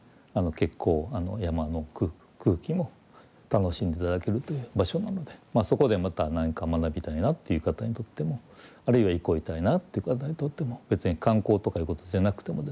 結構山の空気も楽しんで頂けるという場所なのでそこでまた何か学びたいなっていう方にとってもあるいは憩いたいなっていう方にとっても別に観光とかいうことじゃなくてもですね